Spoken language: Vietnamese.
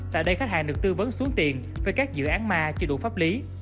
tại đây khách hàng được tư vấn xuống tiền với các dự án ma chưa đủ pháp lý